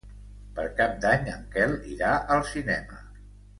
Per Cap d'Any en Quel irà al cinema.